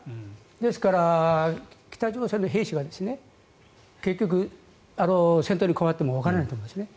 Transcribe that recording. ですから北朝鮮の兵士が結局、戦闘に加わってもわからないと思いますね。